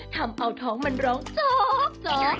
ทำเอาท้องมันร้องจอก